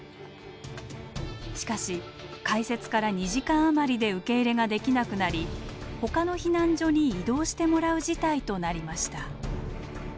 しかし開設から２時間余りで受け入れができなくなりほかの避難所に移動してもらう事態となりました。